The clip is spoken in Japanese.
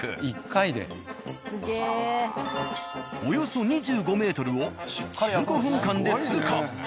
およそ２５ｍを１５分間で通過。